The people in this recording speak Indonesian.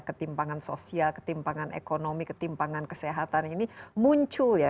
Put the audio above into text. ketimpangan sosial ketimpangan ekonomi ketimpangan kesehatan ini muncul ya